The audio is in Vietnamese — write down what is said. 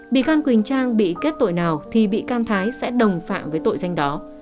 bị can quỳnh trang bị kết tội nào thì bị can thái sẽ đồng phạm với tội danh đó